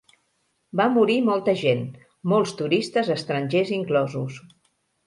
Va morir molta gent, molts turistes estrangers inclosos.